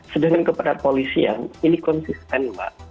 sedangkan kepada polisi yang ini konsisten